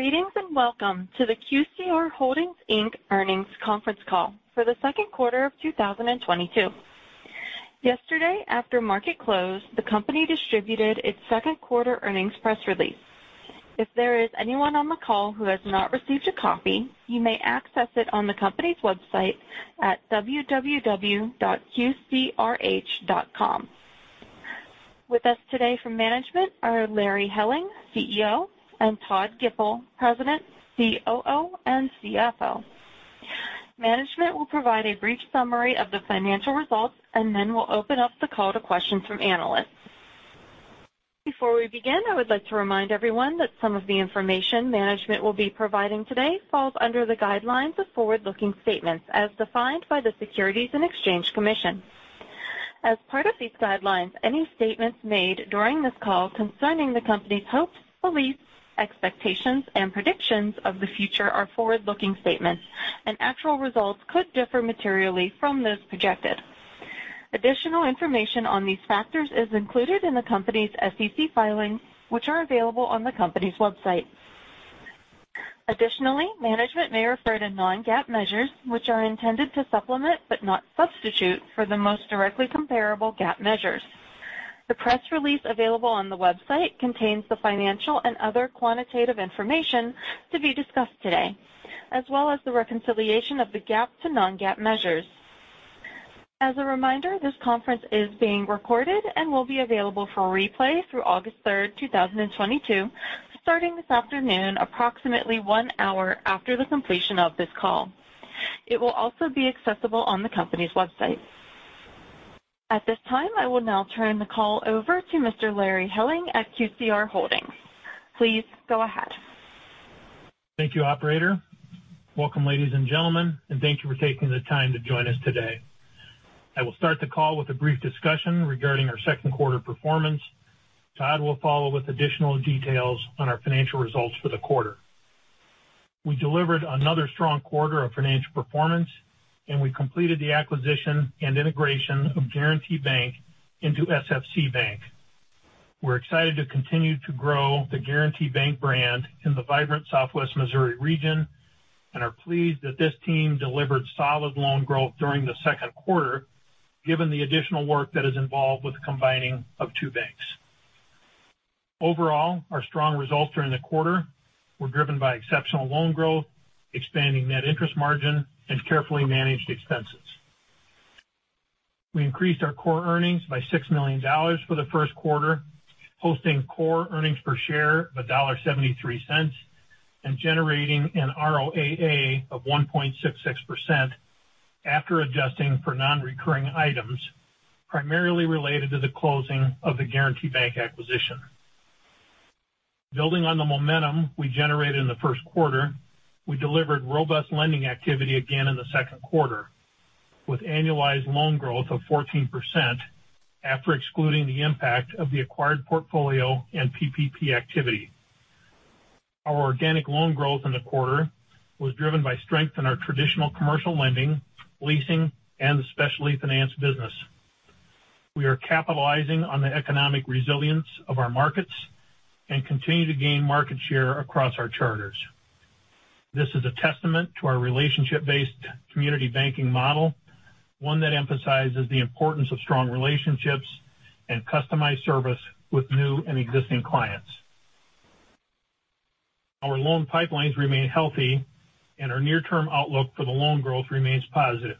Greetings, and welcome to the QCR Holdings, Inc. earnings conference call for the second quarter of 2022. Yesterday, after market close, the company distributed its second quarter earnings press release. If there is anyone on the call who has not received a copy, you may access it on the company's website at www.qcrh.com. With us today from management are Larry Helling, CEO, and Todd Gipple, President, COO, and CFO. Management will provide a brief summary of the financial results, and then we'll open up the call to questions from analysts. Before we begin, I would like to remind everyone that some of the information management will be providing today falls under the guidelines of forward-looking statements as defined by the Securities and Exchange Commission. As part of these guidelines, any statements made during this call concerning the company's hopes, beliefs, expectations, and predictions of the future are forward-looking statements, and actual results could differ materially from those projected. Additional information on these factors is included in the company's SEC filings, which are available on the company's website. Additionally, management may refer to non-GAAP measures which are intended to supplement, but not substitute, for the most directly comparable GAAP measures. The press release available on the website contains the financial and other quantitative information to be discussed today, as well as the reconciliation of the GAAP to non-GAAP measures. As a reminder, this conference is being recorded and will be available for replay through August 3rd, 2022, starting this afternoon approximately one hour after the completion of this call. It will also be accessible on the company's website. At this time, I will now turn the call over to Mr. Larry Helling at QCR Holdings. Please go ahead. Thank you, operator. Welcome, ladies and gentlemen, and thank you for taking the time to join us today. I will start the call with a brief discussion regarding our second quarter performance. Todd will follow with additional details on our financial results for the quarter. We delivered another strong quarter of financial performance, and we completed the acquisition and integration of Guaranty Bank into SFC Bank. We're excited to continue to grow the Guaranty Bank brand in the vibrant Southwest Missouri region and are pleased that this team delivered solid loan growth during the second quarter, given the additional work that is involved with combining of two banks. Overall, our strong results during the quarter were driven by exceptional loan growth, expanding net interest margin, and carefully managed expenses. We increased our core earnings by $6 million for the first quarter, posting core earnings per share of $1.73, and generating an ROAA of 1.66% after adjusting for non-recurring items, primarily related to the closing of the Guaranty Bank acquisition. Building on the momentum we generated in the first quarter, we delivered robust lending activity again in the second quarter, with annualized loan growth of 14% after excluding the impact of the acquired portfolio and PPP activity. Our organic loan growth in the quarter was driven by strength in our traditional commercial lending, leasing, and specialty finance business. We are capitalizing on the economic resilience of our markets and continue to gain market share across our charters. This is a testament to our relationship-based community banking model, one that emphasizes the importance of strong relationships and customized service with new and existing clients. Our loan pipelines remain healthy and our near-term outlook for the loan growth remains positive.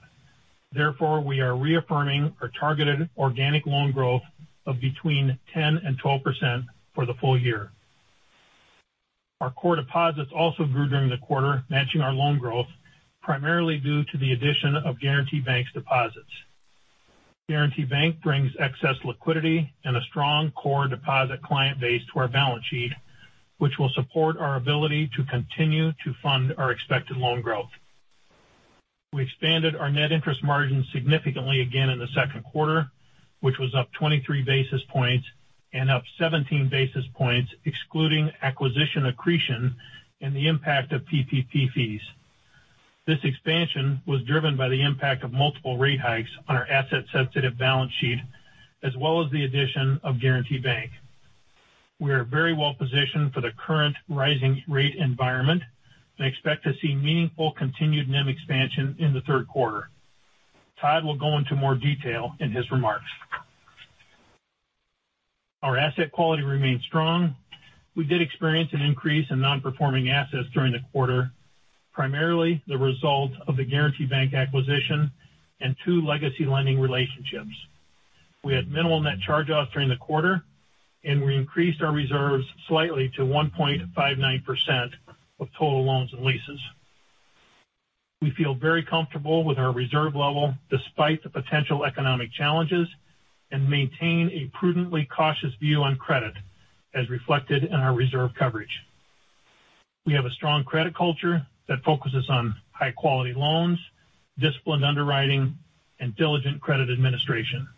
Therefore, we are reaffirming our targeted organic loan growth of between 10% and 12% for the full year. Our core deposits also grew during the quarter, matching our loan growth, primarily due to the addition of Guaranty Bank's deposits. Guaranty Bank brings excess liquidity and a strong core deposit client base to our balance sheet, which will support our ability to continue to fund our expected loan growth. We expanded our net interest margin significantly again in the second quarter, which was up 23 basis points and up 17 basis points excluding acquisition accretion and the impact of PPP fees. This expansion was driven by the impact of multiple rate hikes on our asset-sensitive balance sheet as well as the addition of Guaranty Bank. We are very well positioned for the current rising rate environment and expect to see meaningful continued NIM expansion in the third quarter. Todd will go into more detail in his remarks. Our asset quality remains strong. We did experience an increase in non-performing assets during the quarter, primarily the result of the Guaranty Bank acquisition and two legacy lending relationships. We had minimal net charge-offs during the quarter, and we increased our reserves slightly to 1.59% of total loans and leases. We feel very comfortable with our reserve level despite the potential economic challenges and maintain a prudently cautious view on credit as reflected in our reserve coverage. We have a strong credit culture that focuses on high-quality loans, disciplined underwriting, and diligent credit administration.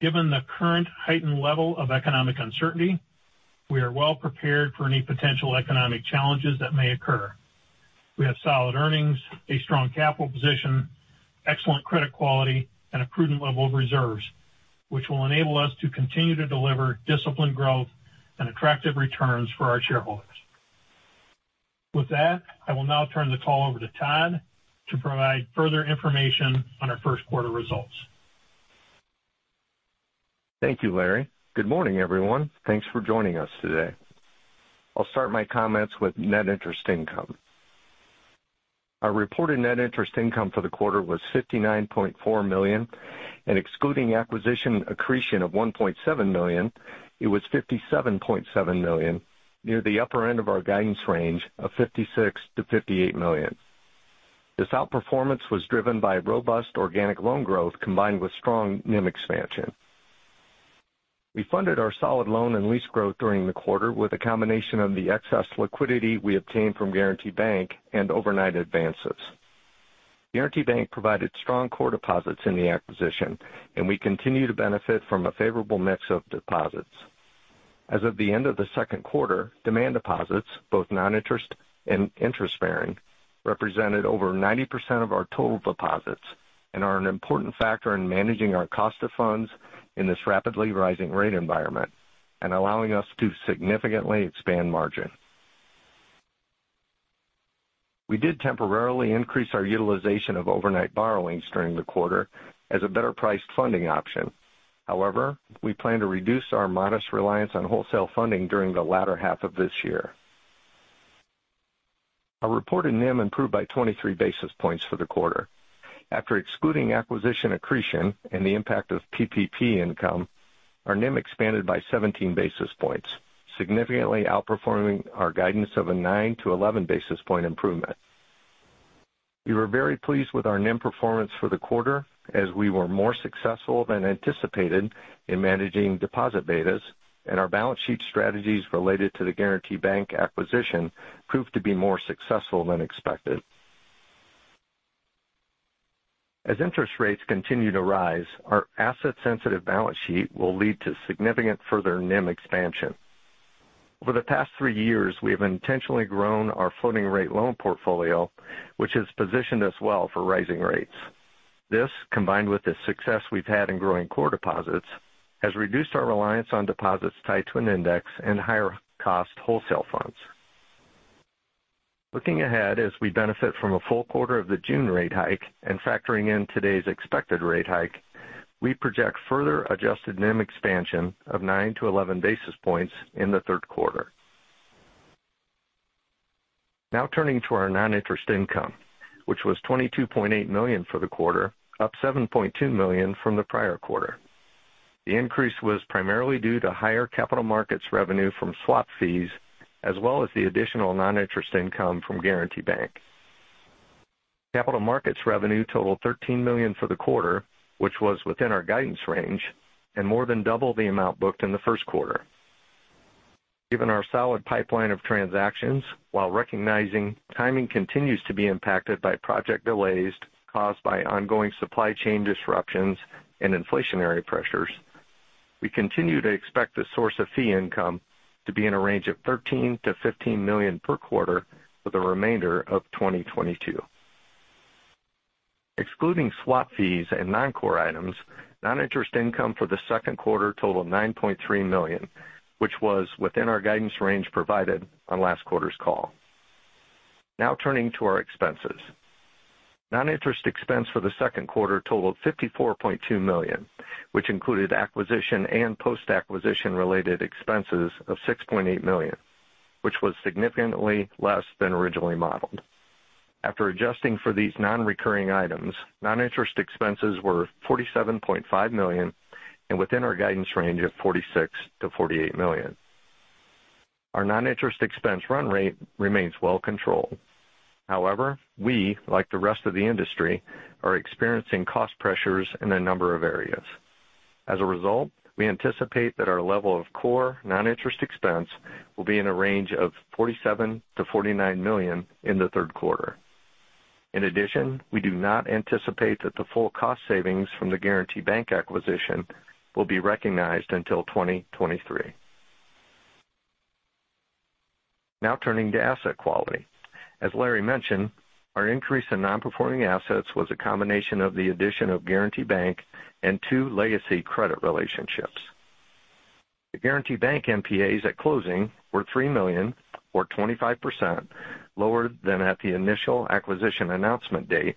Given the current heightened level of economic uncertainty, we are well prepared for any potential economic challenges that may occur. We have solid earnings, a strong capital position, excellent credit quality and a prudent level of reserves, which will enable us to continue to deliver disciplined growth and attractive returns for our shareholders. With that, I will now turn the call over to Todd to provide further information on our first quarter results. Thank you, Larry. Good morning, everyone. Thanks for joining us today. I'll start my comments with net interest income. Our reported net interest income for the quarter was $59.4 million, and excluding acquisition accretion of $1.7 million, it was $57.7 million, near the upper end of our guidance range of $56 million-$58 million. This outperformance was driven by robust organic loan growth combined with strong NIM expansion. We funded our solid loan and lease growth during the quarter with a combination of the excess liquidity we obtained from Guaranty Bank and overnight advances. Guaranty Bank provided strong core deposits in the acquisition, and we continue to benefit from a favorable mix of deposits. As of the end of the second quarter, demand deposits, both non-interest and interest-bearing, represented over 90% of our total deposits and are an important factor in managing our cost of funds in this rapidly rising rate environment and allowing us to significantly expand margin. We did temporarily increase our utilization of overnight borrowings during the quarter as a better-priced funding option. However, we plan to reduce our modest reliance on wholesale funding during the latter half of this year. Our reported NIM improved by 23 basis points for the quarter. After excluding acquisition accretion and the impact of PPP income, our NIM expanded by 17 basis points, significantly outperforming our guidance of a 9-11 basis point improvement. We were very pleased with our NIM performance for the quarter as we were more successful than anticipated in managing deposit betas and our balance sheet strategies related to the Guaranty Bank acquisition proved to be more successful than expected. As interest rates continue to rise, our asset-sensitive balance sheet will lead to significant further NIM expansion. Over the past three years, we have intentionally grown our floating rate loan portfolio, which has positioned us well for rising rates. This, combined with the success we've had in growing core deposits, has reduced our reliance on deposits tied to an index and higher-cost wholesale funds. Looking ahead, as we benefit from a full quarter of the June rate hike and factoring in today's expected rate hike, we project further adjusted NIM expansion of 9-11 basis points in the third quarter. Now turning to our non-interest income, which was $22.8 million for the quarter, up $7.2 million from the prior quarter. The increase was primarily due to higher capital markets revenue from swap fees as well as the additional non-interest income from Guaranty Bank. Capital markets revenue totaled $13 million for the quarter, which was within our guidance range and more than double the amount booked in the first quarter. Given our solid pipeline of transactions, while recognizing timing continues to be impacted by project delays caused by ongoing supply chain disruptions and inflationary pressures, we continue to expect the source of fee income to be in a range of $13 million-$15 million per quarter for the remainder of 2022. Excluding swap fees and non-core items, non-interest income for the second quarter totaled $9.3 million, which was within our guidance range provided on last quarter's call. Now turning to our expenses. Non-interest expense for the second quarter totaled $54.2 million, which included acquisition and post-acquisition related expenses of $6.8 million, which was significantly less than originally modeled. After adjusting for these non-recurring items, non-interest expenses were $47.5 million and within our guidance range of $46 million-$48 million. Our non-interest expense run rate remains well controlled. However, we, like the rest of the industry, are experiencing cost pressures in a number of areas. As a result, we anticipate that our level of core non-interest expense will be in a range of $47 million-$49 million in the third quarter. In addition, we do not anticipate that the full cost savings from the Guaranty Bank acquisition will be recognized until 2023. Now turning to asset quality. As Larry mentioned, our increase in non-performing assets was a combination of the addition of Guaranty Bank and two legacy credit relationships. The Guaranty Bank NPAs at closing were $3 million or 25% lower than at the initial acquisition announcement date,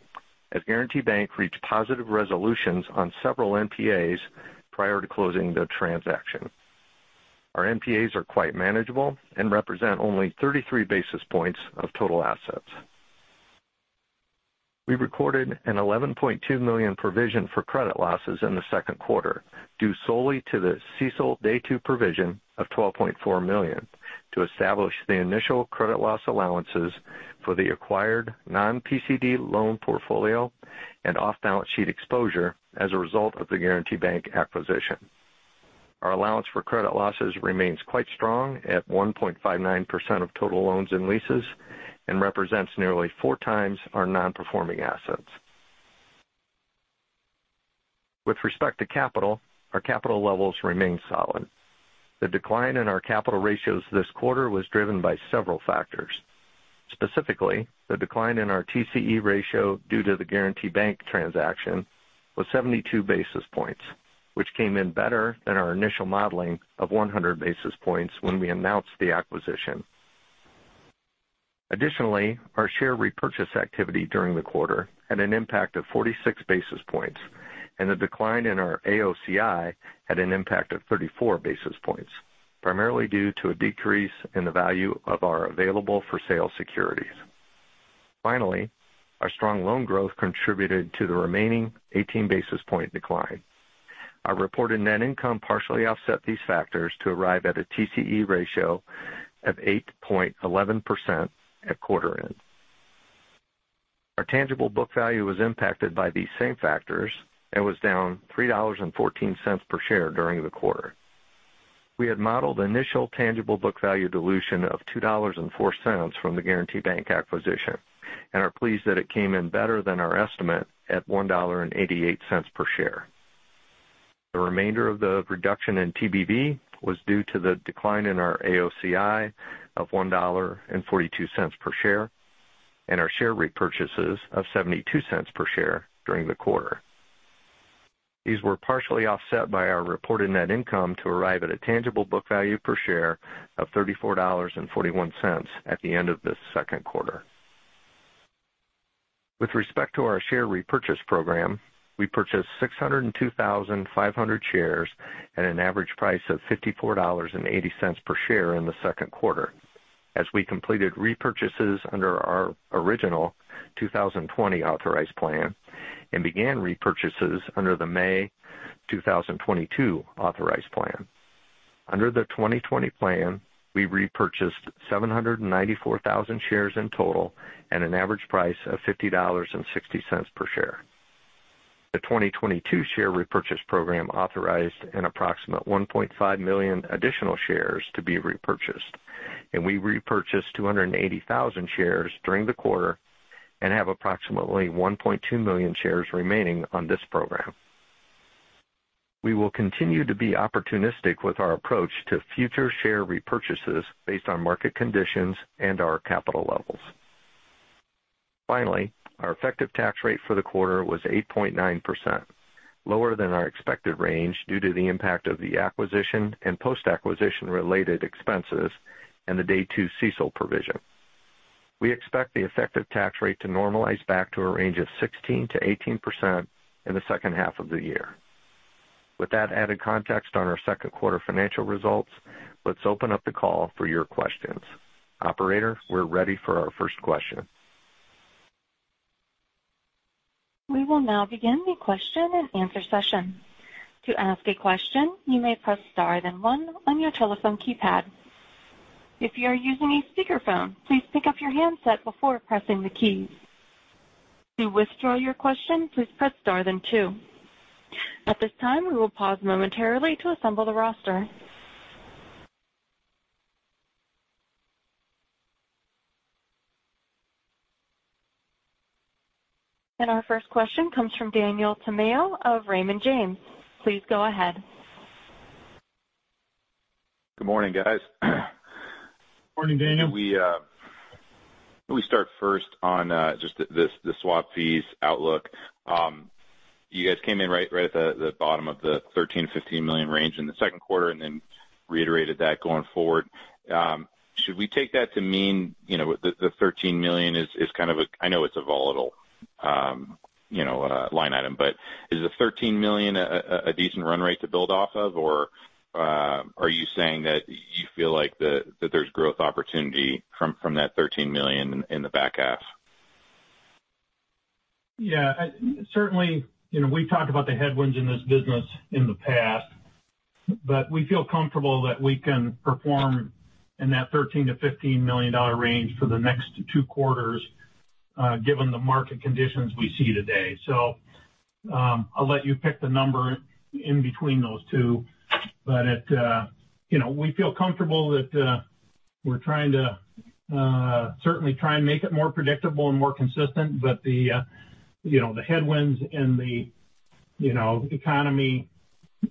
as Guaranty Bank reached positive resolutions on several NPAs prior to closing the transaction. Our NPAs are quite manageable and represent only 33 basis points of total assets. We recorded an $11.2 million provision for credit losses in the second quarter, due solely to the CECL Day Two provision of $12.4 million to establish the initial credit loss allowances for the acquired non-PCD loan portfolio and off-balance sheet exposure as a result of the Guaranty Bank acquisition. Our allowance for credit losses remains quite strong at 1.59% of total loans and leases and represents nearly four times our non-performing assets. With respect to capital, our capital levels remain solid. The decline in our capital ratios this quarter was driven by several factors. Specifically, the decline in our TCE ratio due to the Guaranty Bank transaction was 72 basis points, which came in better than our initial modeling of 100 basis points when we announced the acquisition. Additionally, our share repurchase activity during the quarter had an impact of 46 basis points, and the decline in our AOCI had an impact of 34 basis points, primarily due to a decrease in the value of our available-for-sale securities. Finally, our strong loan growth contributed to the remaining 18 basis point decline. Our reported net income partially offset these factors to arrive at a TCE ratio of 8.11% at quarter end. Our tangible book value was impacted by these same factors and was down $3.14 per share during the quarter. We had modeled initial tangible book value dilution of $2.04 from the Guaranty Bank acquisition and are pleased that it came in better than our estimate at $1.88 per share. The remainder of the reduction in TBV was due to the decline in our AOCI of $1.42 per share and our share repurchases of $0.72 per share during the quarter. These were partially offset by our reported net income to arrive at a tangible book value per share of $34.41 at the end of the second quarter. With respect to our share repurchase program, we purchased 602,500 shares at an average price of $54.80 per share in the second quarter as we completed repurchases under our original 2020 authorized plan and began repurchases under the May 2022 authorized plan. Under the 2020 plan, we repurchased 794,000 shares in total at an average price of $50.60 per share. The 2022 share repurchase program authorized an approximate 1.5 million additional shares to be repurchased, and we repurchased 280,000 shares during the quarter and have approximately 1.2 million shares remaining on this program. We will continue to be opportunistic with our approach to future share repurchases based on market conditions and our capital levels. Finally, our effective tax rate for the quarter was 8.9%, lower than our expected range due to the impact of the acquisition and post-acquisition related expenses and the Day Two CECL provision. We expect the effective tax rate to normalize back to a range of 16%-18% in the second half of the year. With that added context on our second quarter financial results, let's open up the call for your questions. Operator, we're ready for our first question. We will now begin the question-and-answer session. To ask a question, you may press star then one on your telephone keypad. If you are using a speakerphone, please pick up your handset before pressing the key. To withdraw your question, please press star then two. At this time, we will pause momentarily to assemble the roster. Our first question comes from Daniel Tamayo of Raymond James. Please go ahead. Good morning, guys. Morning, Daniel. Can we start first on just the swap fees outlook? You guys came in right at the bottom of the $13 million-$15 million range in the second quarter and then reiterated that going forward. Should we take that to mean, you know, the $13 million is kind of a volatile line item, but is the $13 million a decent run rate to build off of? Or are you saying that you feel like that there's growth opportunity from that $13 million in the back half? Yeah. Certainly, you know, we've talked about the headwinds in this business in the past, but we feel comfortable that we can perform in that $13 million-$15 million range for the next two quarters, given the market conditions we see today. I'll let you pick the number in between those two. It, you know, we feel comfortable that, we're trying to, certainly try and make it more predictable and more consistent. The, you know, the headwinds in the, you know, economy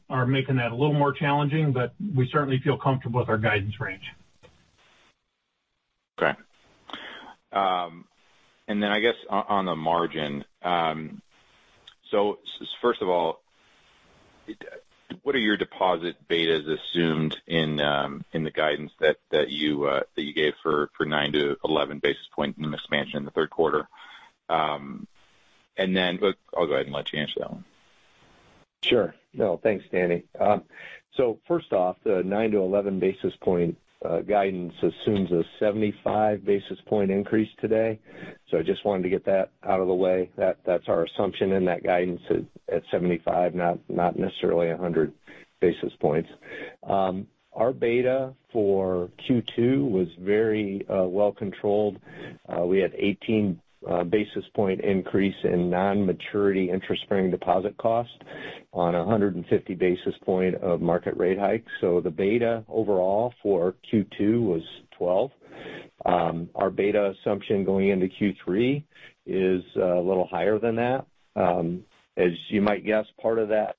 are making that a little more challenging. We certainly feel comfortable with our guidance range. Okay. I guess on the margin, first of all, what are your deposit betas assumed in the guidance that you gave for 9-11 basis point expansion in the third quarter? I'll go ahead and let you answer that one. Sure. No, thanks, Danny. First off, the 9-11 basis point guidance assumes a 75 basis point increase today. I just wanted to get that out of the way. That's our assumption in that guidance at 75, not necessarily 100 basis points. Our beta for Q2 was very well controlled. We had 18 basis point increase in non-maturity interest-bearing deposit cost on a 150 basis point of market rate hike. The beta overall for Q2 was 12. Our beta assumption going into Q3 is a little higher than that. As you might guess, part of that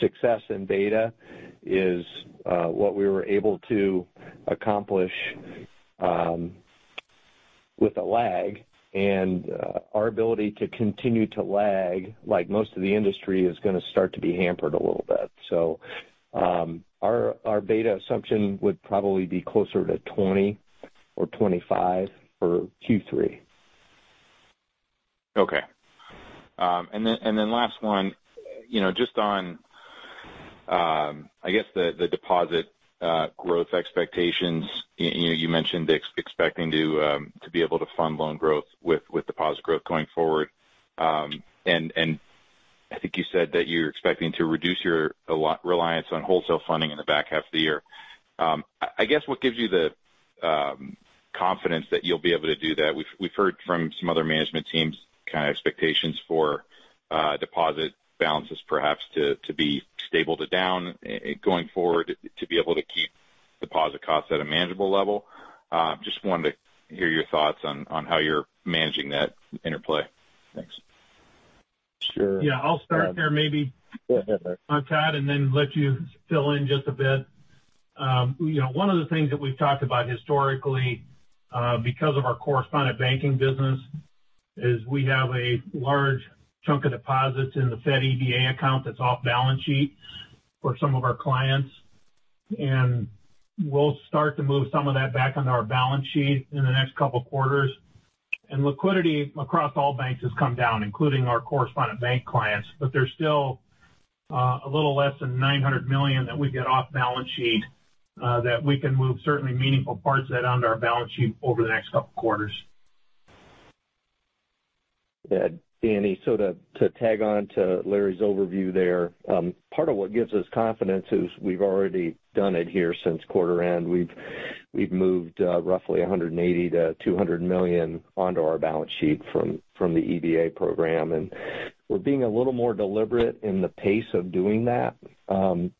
success in beta is what we were able to accomplish with a lag. Our ability to continue to lag, like most of the industry, is going to start to be hampered a little bit. Our beta assumption would probably be closer to 20 or 25 for Q3. Okay. Last one, you know, just on, I guess the deposit growth expectations. You know, you mentioned expecting to be able to fund loan growth with deposit growth going forward. I think you said that you're expecting to reduce your overall reliance on wholesale funding in the back half of the year. I guess, what gives you the confidence that you'll be able to do that? We've heard from some other management teams kind of expectations for deposit balances perhaps to be stable to down going forward, to be able to keep deposit costs at a manageable level. Just wanted to hear your thoughts on how you're managing that interplay. Thanks. Sure. Yeah, I'll start there maybe on Todd, and then let you fill in just a bit. You know, one of the things that we've talked about historically, because of our correspondent banking business is we have a large chunk of deposits in the Fed EDA account that's off balance sheet for some of our clients. We'll start to move some of that back onto our balance sheet in the next couple of quarters. Liquidity across all banks has come down, including our correspondent bank clients. There's still a little less than $900 million that we've got off balance sheet that we can move certainly meaningful parts of that onto our balance sheet over the next couple of quarters. Yeah. Daniel, so to tag on to Larry's overview there, part of what gives us confidence is we've already done it here since quarter end. We've moved roughly $180 million-$200 million onto our balance sheet from the EDA program. We're being a little more deliberate in the pace of doing that.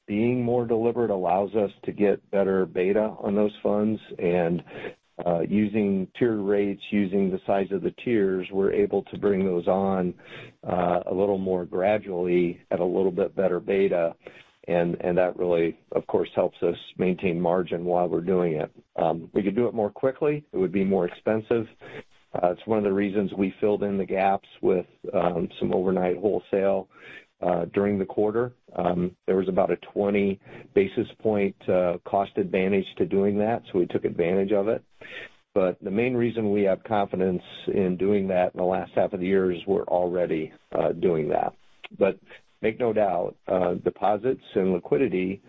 Being more deliberate allows us to get better beta on those funds. Using tier rates, the size of the tiers, we're able to bring those on a little more gradually at a little bit better beta. That really, of course, helps us maintain margin while we're doing it. We could do it more quickly. It would be more expensive. It's one of the reasons we filled in the gaps with some overnight wholesale during the quarter. There was about a 20 basis point cost advantage to doing that, so we took advantage of it. The main reason we have confidence in doing that in the last half of the year is we're already doing that. Make no doubt, deposits and liquidity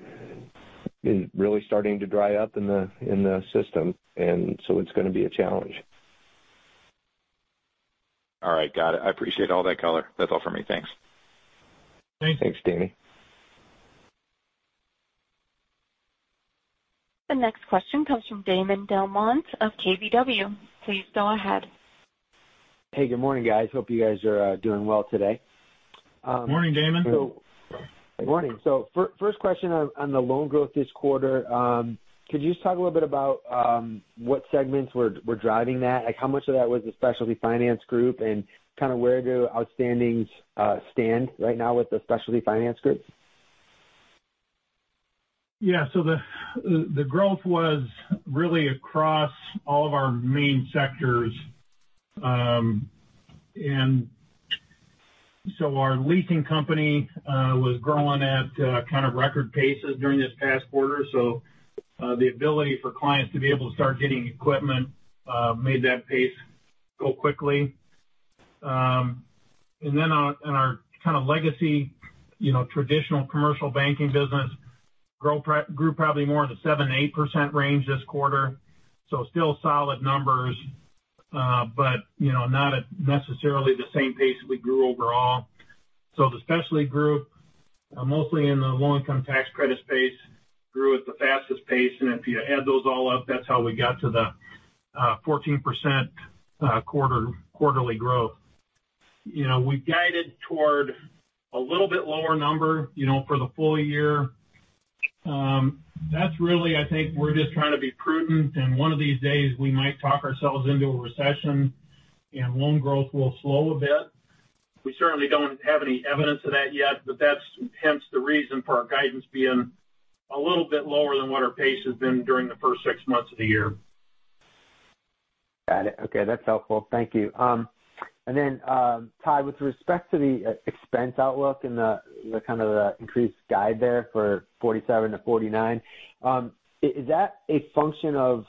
is really starting to dry up in the system, and so it's going to be a challenge. All right. Got it. I appreciate all that color. That's all for me. Thanks. Thanks. Thanks, Danny. The next question comes from Damon DelMonte of KBW. Please go ahead. Hey, good morning, guys. Hope you guys are doing well today. Morning, Damon. Good morning. First question on the loan growth this quarter. Could you just talk a little bit about what segments were driving that? Like how much of that was the specialty finance group and kind of where do outstandings stand right now with the specialty finance group? Yeah. The growth was really across all of our main sectors. Our leasing company was growing at kind of record paces during this past quarter. The ability for clients to be able to start getting equipment made that pace go quickly. In our kind of legacy, you know, traditional commercial banking business, grew probably more in the 7%-8% range this quarter. Still solid numbers, but you know, not at necessarily the same pace that we grew overall. The specialty group, mostly in the Low-Income Housing Tax Credit space, grew at the fastest pace. If you add those all up, that's how we got to the 14% quarterly growth. You know, we've guided toward a little bit lower number, you know, for the full year. That's really I think we're just trying to be prudent. One of these days, we might talk ourselves into a recession and loan growth will slow a bit. We certainly don't have any evidence of that yet, but that's hence the reason for our guidance being a little bit lower than what our pace has been during the first six months of the year. Got it. Okay. That's helpful. Thank you. Todd, with respect to the expense outlook and the kind of increased guide there for $47-$49, is that a function of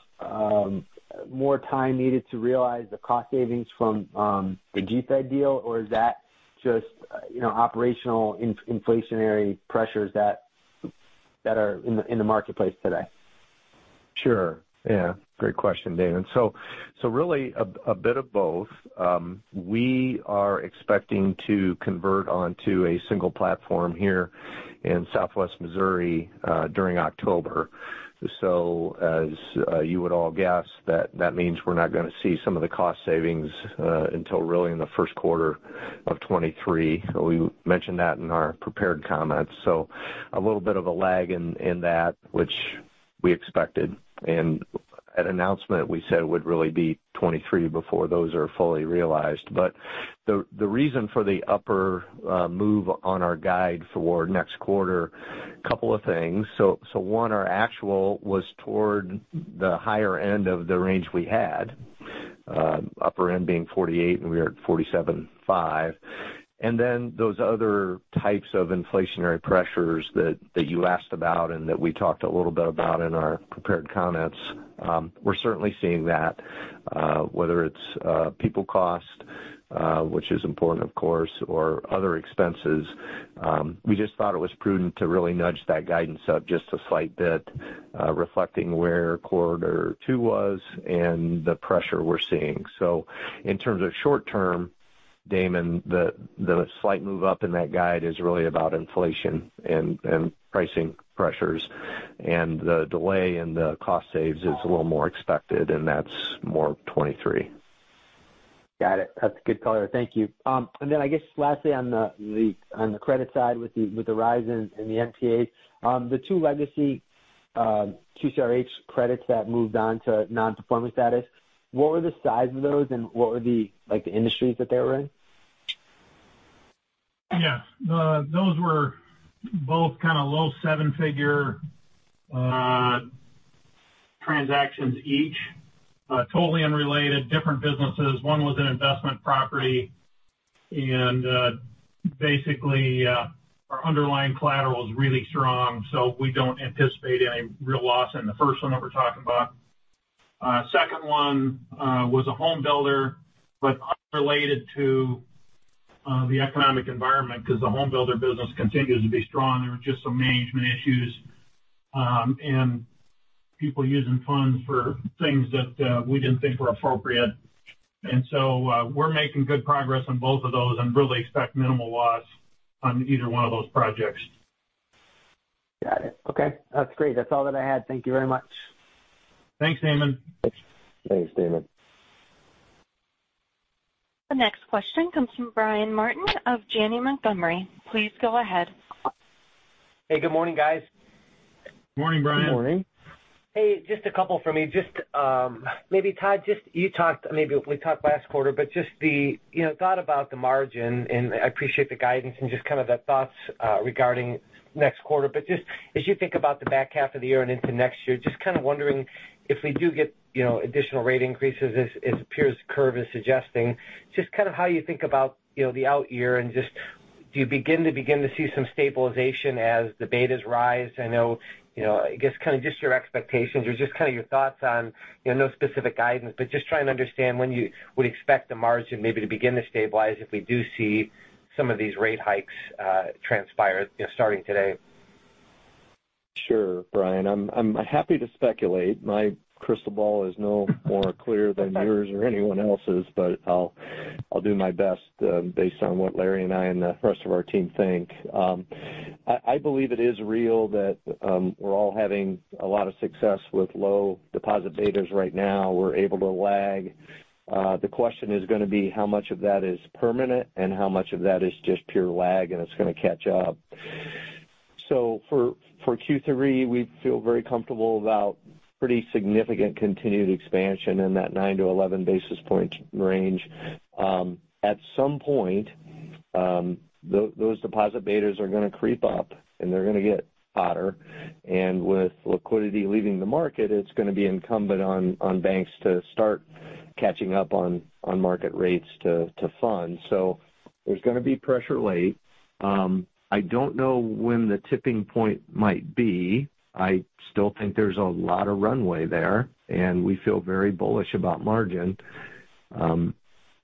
more time needed to realize the cost savings from the GFed deal? Is that just, you know, operational inflationary pressures that are in the marketplace today? Sure. Yeah. Great question, Damon. Really a bit of both. We are expecting to convert onto a single platform here in Southwest Missouri during October. As you would all guess that means we're not gonna see some of the cost savings until really in the first quarter of 2023. We mentioned that in our prepared comments. A little bit of a lag in that, which we expected. At announcement we said it would really be 2023 before those are fully realized. The reason for the upper move on our guide for next quarter, couple of things. One, our actual was toward the higher end of the range we had, upper end being 48 and we are at 47.5. Those other types of inflationary pressures that you asked about and that we talked a little bit about in our prepared comments, we're certainly seeing that, whether it's people cost, which is important of course, or other expenses, we just thought it was prudent to really nudge that guidance up just a slight bit, reflecting where quarter two was and the pressure we're seeing. In terms of short term, Damon, the slight move up in that guide is really about inflation and pricing pressures, and the delay in the cost saves is a little more expected, and that's more of 2023. Got it. That's a good color. Thank you. I guess lastly on the credit side with the rise in the NPAs, the two legacy QCRH credits that moved on to nonperformance status, what were the size of those and what were, like, the industries that they were in? Yeah. Those were both kind of low seven-figure transactions each. Totally unrelated, different businesses. One was an investment property. Basically, our underlying collateral is really strong, so we don't anticipate any real loss in the first one that we're talking about. Second one was a home builder, but unrelated to the economic environment because the home builder business continues to be strong. There were just some management issues, and people using funds for things that we didn't think were appropriate. We're making good progress on both of those and really expect minimal loss on either one of those projects. Got it. Okay. That's great. That's all that I had. Thank you very much. Thanks, Damon. Thanks, Damon. The next question comes from Brian Martin of Janney Montgomery. Please go ahead. Hey, good morning, guys. Morning, Brian. Morning. Hey, just a couple for me. Just, maybe Todd, just you talked, maybe we talked last quarter, but just the, you know, thought about the margin and I appreciate the guidance and just kind of the thoughts regarding next quarter. Just as you think about the back half of the year and into next year, just kind of wondering if we do get, you know, additional rate increases as peers curve is suggesting, just kind of how you think about, you know, the out year and just do you begin to see some stabilization as the betas rise? I know, you know, I guess kind of just your expectations or just kind of your thoughts on, you know, no specific guidance, but just trying to understand when you would expect the margin maybe to begin to stabilize if we do see some of these rate hikes transpire, you know, starting today? Sure, Brian. I'm happy to speculate. My crystal ball is no more clear than yours or anyone else's, but I'll do my best, based on what Larry and I and the rest of our team think. I believe it is real that we're all having a lot of success with low deposit betas right now. We're able to lag. The question is gonna be how much of that is permanent and how much of that is just pure lag and it's gonna catch up. For Q3, we feel very comfortable about pretty significant continued expansion in that 9-11 basis point range. At some point, those deposit betas are gonna creep up and they're gonna get hotter. With liquidity leaving the market, it's gonna be incumbent on banks to start catching up on market rates to fund. There's gonna be pressure later. I don't know when the tipping point might be. I still think there's a lot of runway there, and we feel very bullish about margin.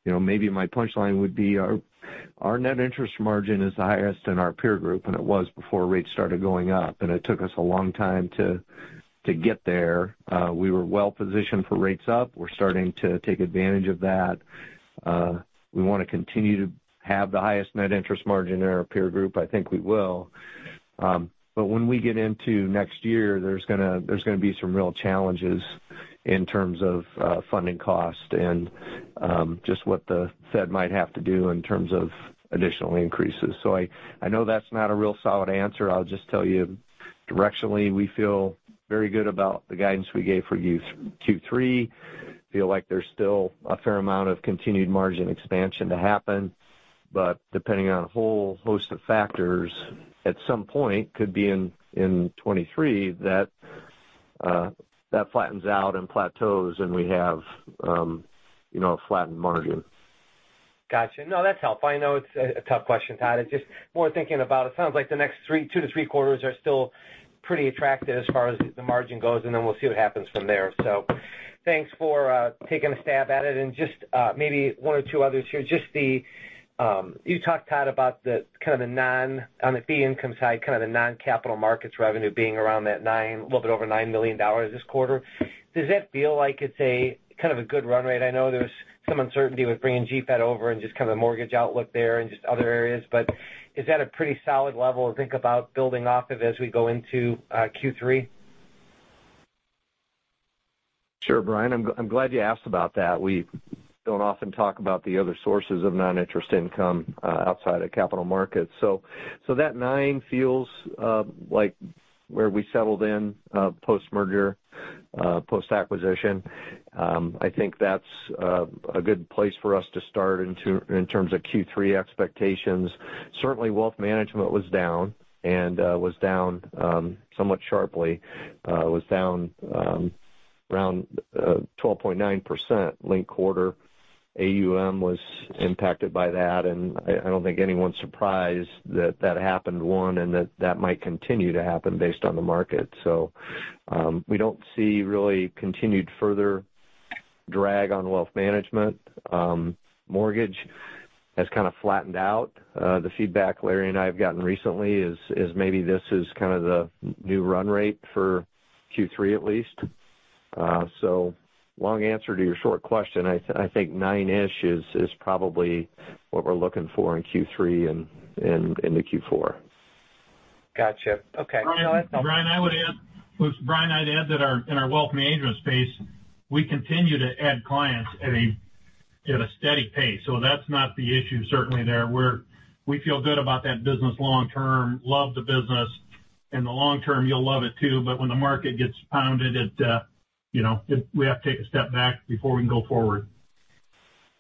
You know, maybe my punch line would be our net interest margin is the highest in our peer group than it was before rates started going up, and it took us a long time to get there. We were well positioned for rates up. We're starting to take advantage of that. We wanna continue to have the highest net interest margin in our peer group. I think we will. When we get into next year, there's gonna be some real challenges in terms of funding cost and just what the Fed might have to do in terms of additional increases. I know that's not a real solid answer. I'll just tell you directionally, we feel very good about the guidance we gave for Q3. Feel like there's still a fair amount of continued margin expansion to happen. Depending on a whole host of factors, at some point, could be in 2023, that flattens out and plateaus and we have a flattened margin. Gotcha. No, that's helpful. I know it's a tough question, Todd. It's just more thinking about it sounds like the next two to three quarters are still pretty attractive as far as the margin goes, and then we'll see what happens from there. Thanks for taking a stab at it. Just maybe one or two others here. Just, you talked, Todd, about the kind of, on the fee income side, kind of the non-capital markets revenue being around a little bit over $9 million this quarter. Does that feel like it's a kind of good run rate? I know there was some uncertainty with bringing GFed over and just kind of the mortgage outlook there and just other areas, but is that a pretty solid level to think about building off of as we go into Q3? Sure, Brian, I'm glad you asked about that. We don't often talk about the other sources of non-interest income outside of capital markets. That nine feels like where we settled in post-merger, post-acquisition. I think that's a good place for us to start in terms of Q3 expectations. Certainly, wealth management was down somewhat sharply around 12.9% linked quarter. AUM was impacted by that, and I don't think anyone's surprised that happened, one, and that might continue to happen based on the market. We don't see really continued further drag on wealth management. Mortgage has kind of flattened out. The feedback Larry and I have gotten recently is maybe this is kind of the new run rate for Q3 at least. Long answer to your short question, I think 9-ish is probably what we're looking for in Q3 and into Q4. Gotcha. Okay. Brian, I'd add that in our wealth management space, we continue to add clients at a steady pace. That's not the issue, certainly there. We feel good about that business long term, love the business. In the long term, you'll love it too, but when the market gets pounded, it, we have to take a step back before we can go forward.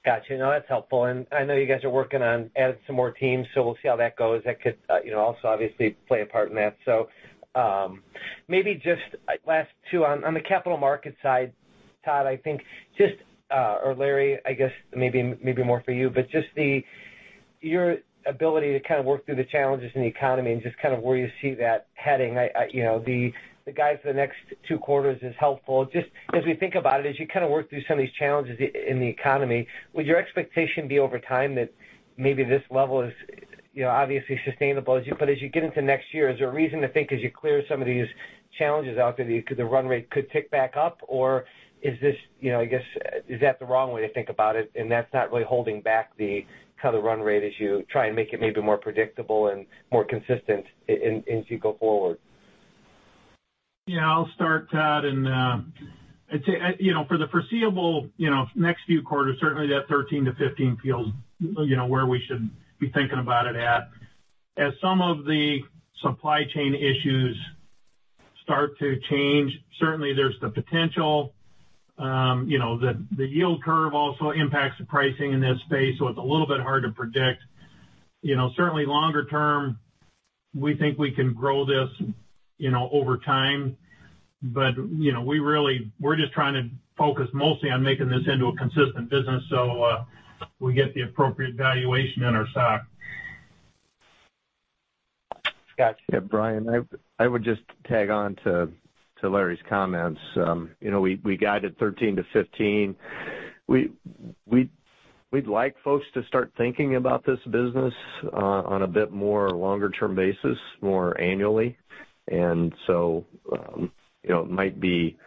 Got you. No, that's helpful. I know you guys are working on adding some more teams, so we'll see how that goes. That could, you know, also obviously play a part in that. Maybe just last two. On the capital market side, Todd, I think just, or Larry, I guess maybe more for you, but just the, your ability to kind of work through the challenges in the economy and just kind of where you see that heading. You know, the guide for the next two quarters is helpful. Just as we think about it, as you kind of work through some of these challenges in the economy, would your expectation be over time that maybe this level is, you know, obviously sustainable as you. But as you get into next year, is there a reason to think as you clear some of these challenges out there, the run rate could tick back up? Or is this, you know, I guess, is that the wrong way to think about it and that's not really holding back the kind of run rate as you try and make it maybe more predictable and more consistent and as you go forward? Yeah, I'll start, Todd. I'd say, you know, for the foreseeable, you know, next few quarters, certainly that 13-15 feels, you know, where we should be thinking about it at. As some of the supply chain issues start to change, certainly there's the potential, you know, the yield curve also impacts the pricing in this space, so it's a little bit hard to predict. You know, certainly longer term, we think we can grow this, you know, over time. You know, we really we're just trying to focus mostly on making this into a consistent business so, we get the appropriate valuation in our stock. Gotcha. Yeah, Brian, I would just tag on to Larry's comments. You know, we guided 13-15. We'd like folks to start thinking about this business on a bit more longer term basis, more annually. You know, it might be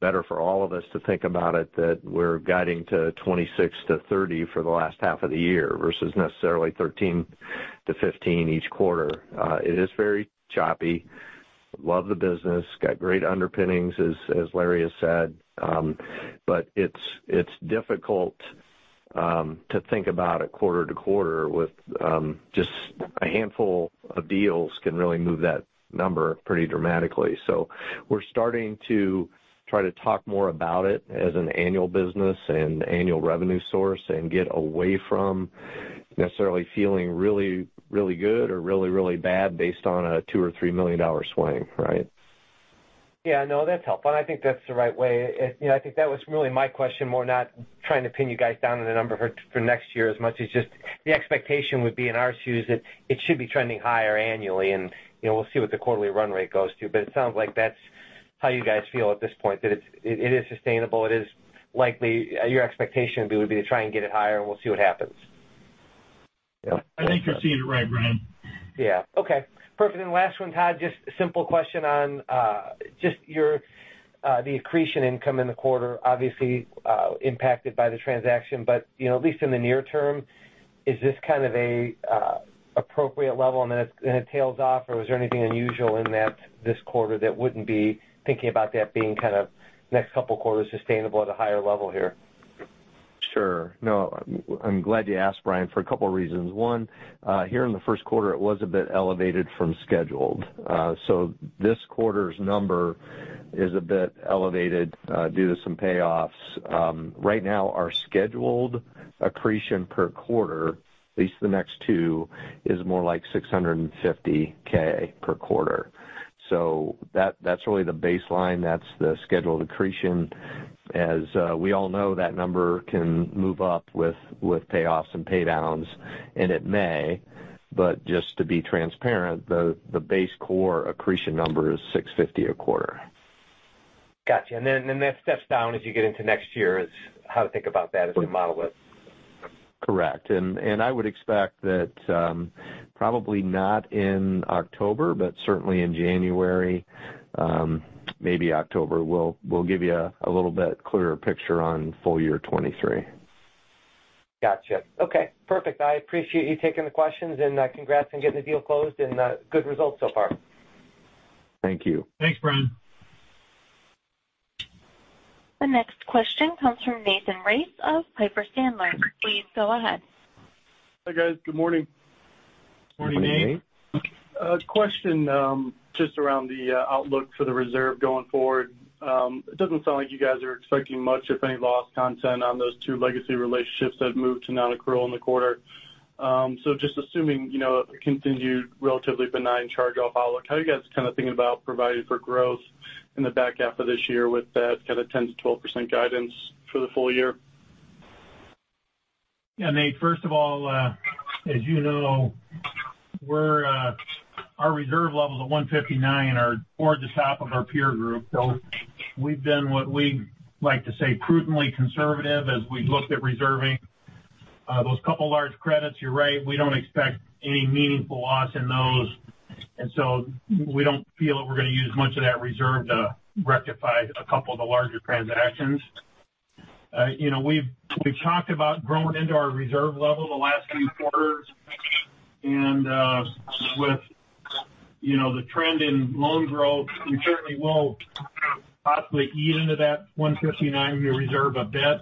better for all of us to think about it that we're guiding to 26-30 for the last half of the year versus necessarily 13-15 each quarter. It is very choppy. Love the business. Got great underpinnings, as Larry has said. But it's difficult to think about it quarter to quarter with just a handful of deals can really move that number pretty dramatically. We're starting to try to talk more about it as an annual business and annual revenue source and get away from necessarily feeling really, really bad based on a $2 million-$3 million swing, right? Yeah, no, that's helpful, and I think that's the right way. You know, I think that was really my question, more not trying to pin you guys down on a number for next year as much as just the expectation would be in our shoes that it should be trending higher annually. You know, we'll see what the quarterly run rate goes to, but it sounds like that's how you guys feel at this point, that it's, it is sustainable, it is likely. Your expectation would be to try and get it higher, and we'll see what happens. Yep. I think you're seeing it right, Brian. Yeah. Okay, perfect. Last one, Todd, just a simple question on just your the accretion income in the quarter, obviously, impacted by the transaction. But you know, at least in the near term, is this kind of a appropriate level and then it tails off? Or is there anything unusual in that this quarter that wouldn't be thinking about that being kind of next couple quarters sustainable at a higher level here? Sure. No, I'm glad you asked, Brian, for a couple reasons. One, here in the first quarter, it was a bit elevated from scheduled. This quarter's number is a bit elevated, due to some payoffs. Right now our scheduled accretion per quarter, at least the next two, is more like $650,000 per quarter. That, that's really the baseline. That's the scheduled accretion. We all know, that number can move up with payoffs and pay downs, and it may. Just to be transparent, the base core accretion number is $650,000 a quarter. Got you. That steps down as you get into next year is how to think about that as we model it. Correct. I would expect that, probably not in October, but certainly in January, maybe October, we'll give you a little bit clearer picture on full year 2023. Gotcha. Okay, perfect. I appreciate you taking the questions and, congrats on getting the deal closed and, good results so far. Thank you. Thanks, Brian. The next question comes from Nathan Race of Piper Sandler. Please go ahead. Hi, guys. Good morning. Morning, Nate. Morning. Question, just around the outlook for the reserve going forward. It doesn't sound like you guys are expecting much, if any, loss content on those two legacy relationships that moved to nonaccrual in the quarter. Just assuming, you know, a continued relatively benign charge-off outlook, how are you guys kind of thinking about providing for growth in the back half of this year with that kind of 10%-12% guidance for the full year? Yeah, Nate, first of all, as you know, we're our reserve levels of 1.59 are toward the top of our peer group. We've been, what we like to say, prudently conservative as we looked at reserving those couple large credits. You're right, we don't expect any meaningful loss in those. We don't feel that we're going to use much of that reserve to rectify a couple of the larger transactions. You know, we've talked about growing into our reserve level the last few quarters. With the trend in loan growth, we certainly will possibly ease into that 1.59 reserve a bit.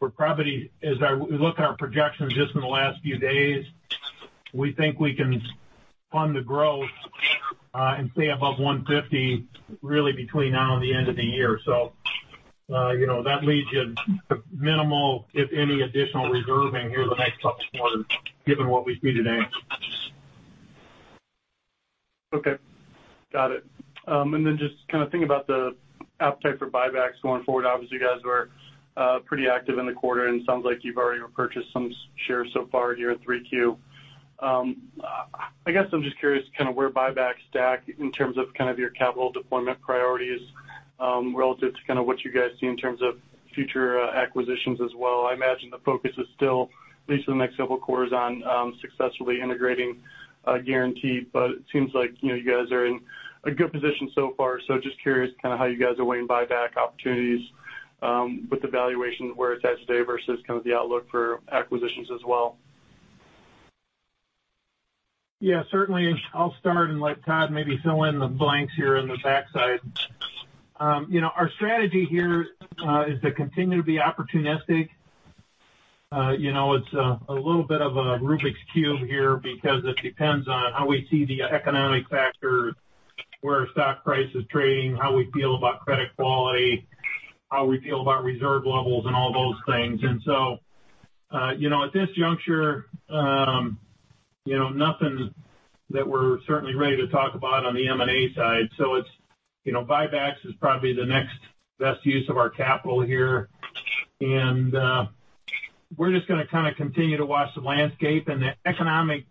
We're probably, we look at our projections just in the last few days, we think we can fund the growth and stay above 150 really between now and the end of the year. You know, that leaves you minimal, if any, additional reserving in the next couple of quarters, given what we see today. Okay, got it. Just kind of thinking about the appetite for buybacks going forward. Obviously, you guys were pretty active in the quarter, and it sounds like you've already repurchased some shares so far here in 3Q. I guess I'm just curious kind of where buybacks stack in terms of kind of your capital deployment priorities, relative to kind of what you guys see in terms of future, acquisitions as well. I imagine the focus is still, at least for the next several quarters, on successfully integrating Guaranty, but it seems like, you know, you guys are in a good position so far. Just curious kind of how you guys are weighing buyback opportunities, with the valuation where it's at today versus kind of the outlook for acquisitions as well. Yeah, certainly. I'll start and let Todd maybe fill in the blanks here in the backside. You know, our strategy here is to continue to be opportunistic. You know, it's a little bit of a Rubik's Cube here because it depends on how we see the economic factors, where our stock price is trading, how we feel about credit quality, how we feel about reserve levels and all those things. You know, at this juncture, you know, nothing that we're certainly ready to talk about on the M&A side. It's, you know, buybacks is probably the next best use of our capital here. We're just gonna kind of continue to watch the landscape. The economic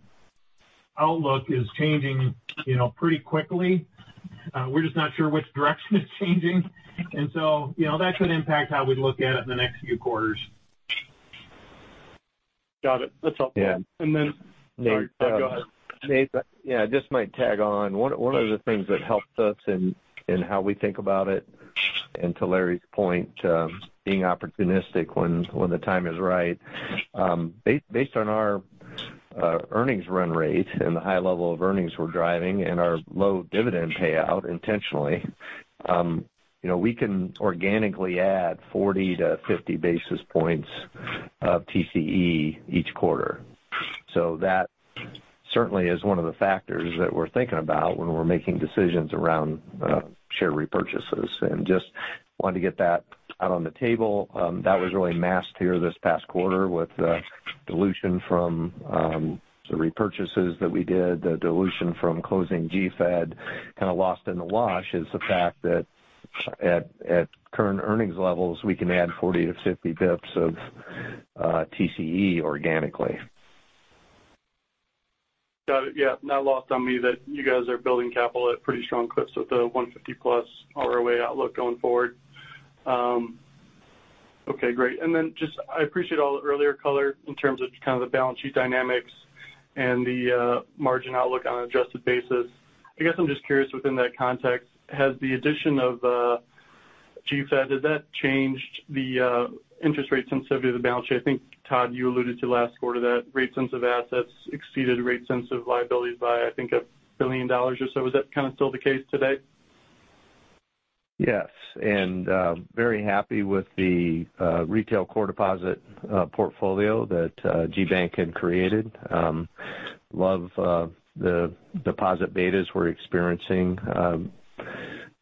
outlook is changing, you know, pretty quickly. We're just not sure which direction it's changing. You know, that could impact how we look at it in the next few quarters. Got it. That's helpful. Yeah. And then... Nate, Sorry. Go ahead. Nate, yeah, I just might tag on. One of the things that helps us in how we think about it, and to Larry's point, being opportunistic when the time is right. Based on our earnings run rate and the high level of earnings we're driving and our low dividend payout intentionally, you know, we can organically add 40-50 basis points of TCE each quarter. That certainly is one of the factors that we're thinking about when we're making decisions around share repurchases. Just wanted to get that out on the table. That was really masked here this past quarter with the dilution from the repurchases that we did, the dilution from closing GFed kind of lost in the wash is the fact that at current earnings levels, we can add 40-50 basis points of TCE organically. Got it. Yeah. Not lost on me that you guys are building capital at pretty strong clips with the 150+ ROA outlook going forward. Okay, great. I appreciate all the earlier color in terms of kind of the balance sheet dynamics and the margin outlook on an adjusted basis. I guess I'm just curious within that context. Has the addition of GFed changed the interest rate sensitivity of the balance sheet? I think, Todd, you alluded to last quarter that rate-sensitive assets exceeded rate-sensitive liabilities by, I think, $1 billion or so. Is that kind of still the case today? Yes. Very happy with the retail core deposit portfolio that Guaranty Bank had created. Love the deposit betas we're experiencing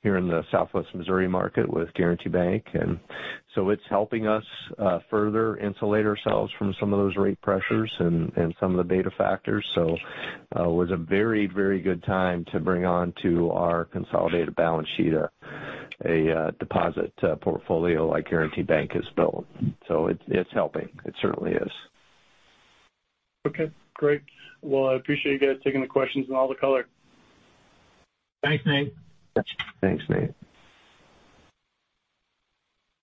here in the Southwest Missouri market with Guaranty Bank. It's helping us further insulate ourselves from some of those rate pressures and some of the beta factors. It was a very good time to bring on to our consolidated balance sheet a deposit portfolio like Guaranty Bank has built. It's helping. It certainly is. Okay, great. Well, I appreciate you guys taking the questions and all the color. Thanks, Nate. Thanks, Nate.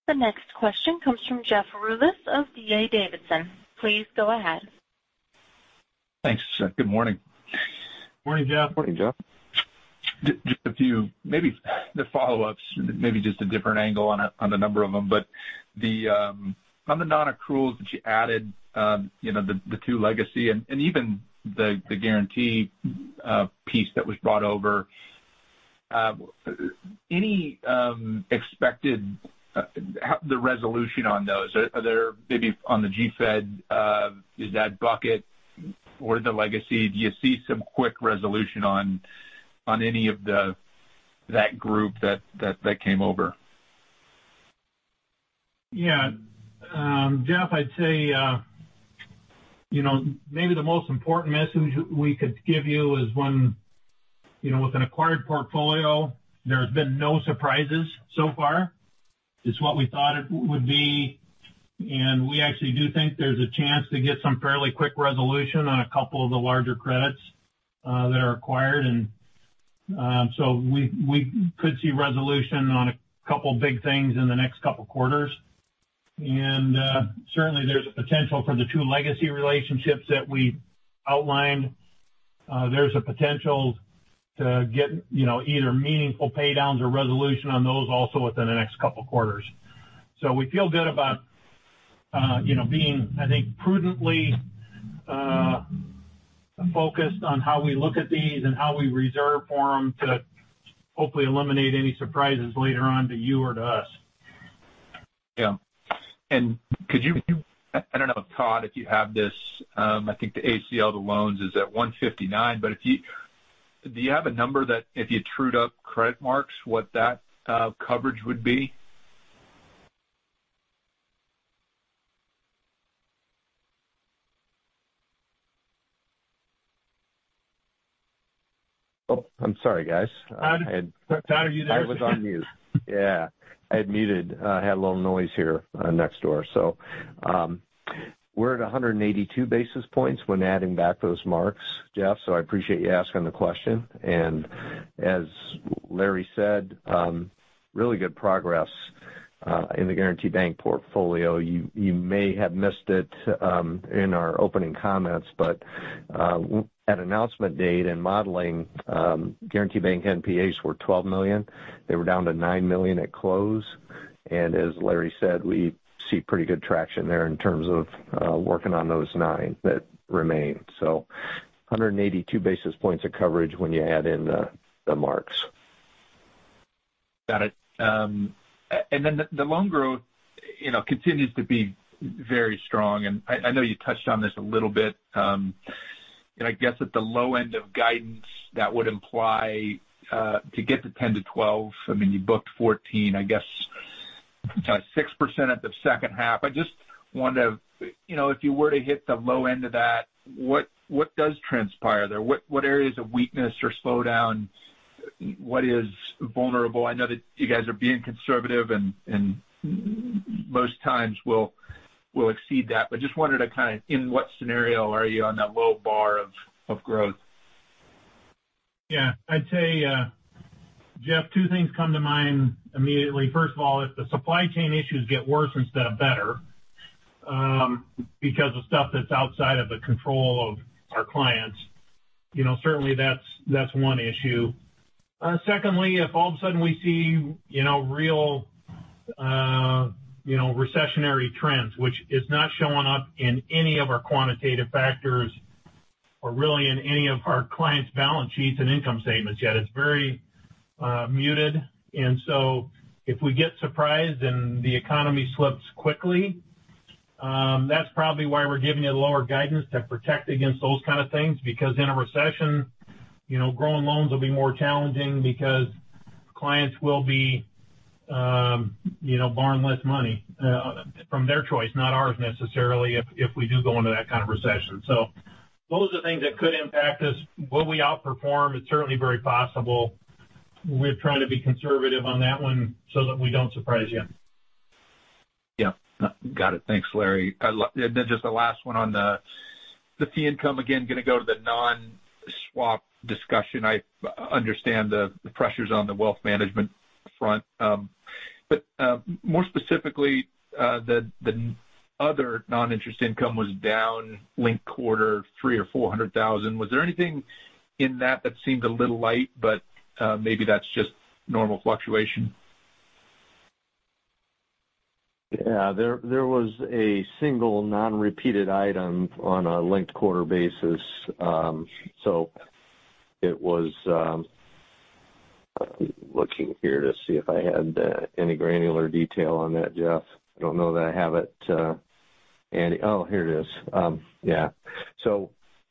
The next question comes from Jeff Rulis of D.A. Davidson. Please go ahead. Thanks. Good morning. Morning, Jeff. Morning, Jeff. Just a few. Maybe the follow-ups, maybe just a different angle on a number of them. The nonaccruals that you added, you know, the two legacy and even the Guaranty piece that was brought over, any expected how the resolution on those are there maybe on the GFed is that bucket or the legacy, do you see some quick resolution on any of that group that came over? Yeah. Jeff, I'd say, you know, maybe the most important message we could give you is, you know, with an acquired portfolio, there has been no surprises so far. It's what we thought it would be, and we actually do think there's a chance to get some fairly quick resolution on a couple of the larger credits that are acquired. We could see resolution on a couple big things in the next couple quarters. Certainly there's a potential for the two legacy relationships that we outlined. There's a potential to get, you know, either meaningful paydowns or resolution on those also within the next couple quarters. We feel good about, you know, being, I think, prudently focused on how we look at these and how we reserve for them to hopefully eliminate any surprises later on to you or to us. I don't know, Todd, if you have this. I think the ACL to loans is at 1.59, but do you have a number that if you trued up credit marks, what that coverage would be? Oh, I'm sorry, guys. Todd, are you there? I was on mute. Yeah, I had muted. Had a little noise here, next door. We're at 182 basis points when adding back those marks, Jeff. I appreciate you asking the question. As Larry said, really good progress in the Guaranty Bank portfolio. You may have missed it in our opening comments, but at announcement date and modeling, Guaranty Bank NPAs were $12 million. They were down to $9 million at close. As Larry said, we see pretty good traction there in terms of working on those nine that remain. 182 basis points of coverage when you add in the marks. Got it. Then the loan growth, you know, continues to be very strong. I know you touched on this a little bit. I guess at the low end of guidance, that would imply to get to 10%-12%, I mean, you booked 14%, I guess, 6% in the second half. I just wanted to. You know, if you were to hit the low end of that, what does transpire there? What areas of weakness or slowdown? What is vulnerable? I know that you guys are being conservative and most times will exceed that, but just wanted to kind of in what scenario are you on that low bar of growth? Yeah. I'd say, Jeff, two things come to mind immediately. First of all, if the supply chain issues get worse instead of better, because of stuff that's outside of the control of our clients, you know, certainly that's one issue. Secondly, if all of a sudden we see, you know, real recessionary trends, which is not showing up in any of our quantitative factors or really in any of our clients' balance sheets and income statements yet, it's very muted. If we get surprised and the economy slips quickly, that's probably why we're giving it lower guidance to protect against those kind of things. Because in a recession, you know, growing loans will be more challenging because clients will be, you know, borrowing less money, from their choice, not ours, necessarily, if we do go into that kind of recession. Those are the things that could impact us. Will we outperform? It's certainly very possible. We're trying to be conservative on that one so that we don't surprise you. Yeah. Got it. Thanks, Larry. Then just the last one on the fee income. Again, gonna go to the non-swap discussion. I understand the pressures on the wealth management front, but more specifically, the other non-interest income was down linked quarter $300,000 or $400,000. Was there anything in that that seemed a little light, but maybe that's just normal fluctuation? Yeah. There was a single non-repeated item on a linked quarter basis. It was. I'm looking here to see if I had any granular detail on that, Jeff. I don't know that I have it. Oh, here it is. Yeah.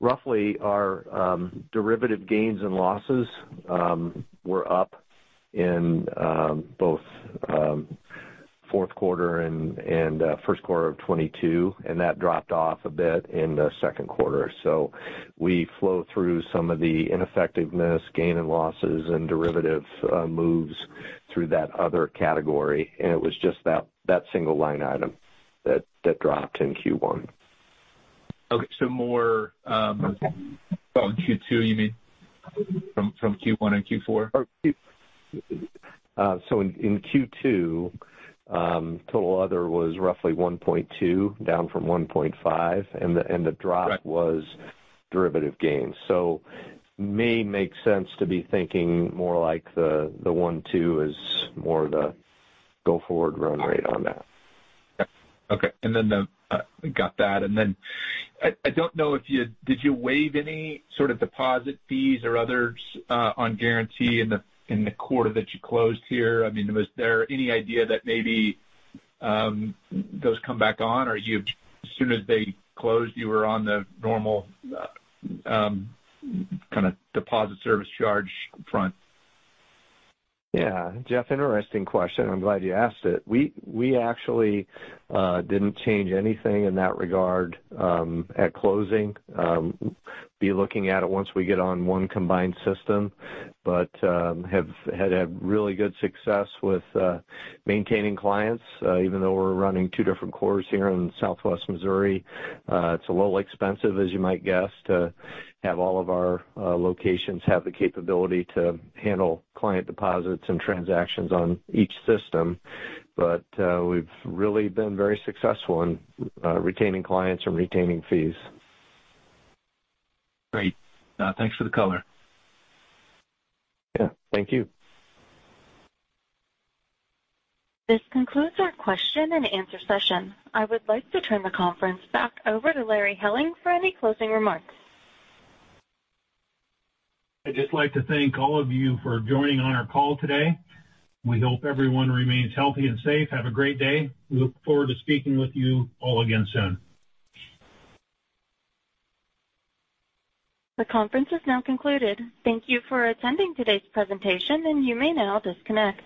Roughly our derivative gains and losses were up in both fourth quarter and first quarter of 2022, and that dropped off a bit in the second quarter. We flow through some of the ineffectiveness gain and losses and derivative moves through that other category, and it was just that single line item that dropped in Q1. Okay. More, from Q2 you mean from Q1 and Q4? In Q2, total other was roughly $1.2, down from $1.5, and the drop. Right. was derivative gains. May make sense to be thinking more like the one two is more the go forward run rate on that. Okay. Got that. I don't know if you did you waive any sort of deposit fees or others on Guaranty in the quarter that you closed here? I mean, was there any idea that maybe those come back on, or as soon as they closed, you were on the normal kind of deposit service charge front? Yeah. Jeff, interesting question. I'm glad you asked it. We actually didn't change anything in that regard at closing. We'll be looking at it once we get on one combined system, but we've had really good success with maintaining clients. Even though we're running two different cores here in Southwest Missouri, it's a little expensive, as you might guess, to have all of our locations have the capability to handle client deposits and transactions on each system. We've really been very successful in retaining clients and retaining fees. Great. Thanks for the color. Yeah, thank you. This concludes our question and answer session. I would like to turn the conference back over to Larry Helling for any closing remarks. I'd just like to thank all of you for joining on our call today. We hope everyone remains healthy and safe. Have a great day. We look forward to speaking with you all again soon. The conference is now concluded. Thank you for attending today's presentation, and you may now disconnect.